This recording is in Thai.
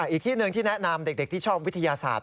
อีกที่หนึ่งที่แนะนำเด็กที่ชอบวิทยาศาสตร์